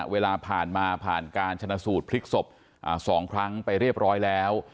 เวลาผ่านมาผ่านการชนะสูตรพลิกศพ๒ครั้งไปเรียบร้อยแล้ว